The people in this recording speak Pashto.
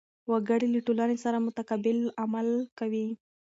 وګړي له ټولنې سره متقابل عمل کوي.